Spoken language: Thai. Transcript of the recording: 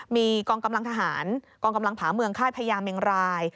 มีกองกำลังทหารกองกำลังผาเมืองค่ายพญาเมงราย